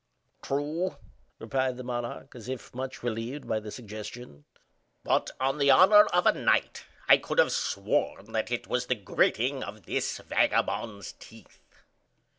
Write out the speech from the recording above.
"True," replied the monarch, as if much relieved by the suggestion; "but, on the honor of a knight, I could have sworn that it was the gritting of this vagabond's teeth."